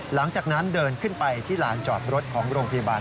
หลังจากนั้นเดินขึ้นไปที่ลานจอดรถของโรงพยาบาล